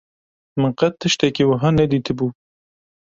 Min qet tiştekî wiha nedîtibû.